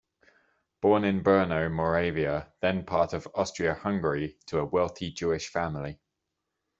Born in Brno, Moravia, then part of Austria-Hungary, to a wealthy Jewish family.